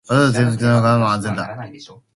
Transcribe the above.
パスワードは定期的に変えるのが安全だ。